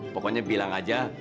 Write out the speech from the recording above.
pokoknya bilang aja